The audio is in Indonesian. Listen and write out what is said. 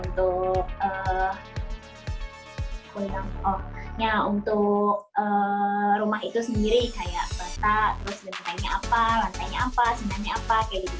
untuk rumah itu sendiri kayak peletak terus lantainya apa lantainya apa sebenarnya apa kayak gitu